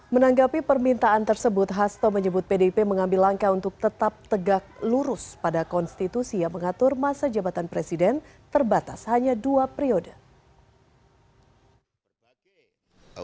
menanggapi permintaan tersebut hasto menyebut pdip mengambil langkah untuk tetap tegak lurus pada konstitusi yang mengatur masa jabatan presiden terbatas hanya dua periode